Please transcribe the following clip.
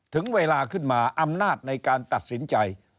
ถึงเวลาขึ้นมาอำนาจในการตัดสินใจ